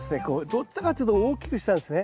どっちかっつうと大きくしたんですね。